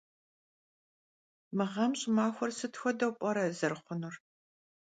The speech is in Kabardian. Mığem ş'ımaxuer sıt xuedeu p'ere zerıxhunur?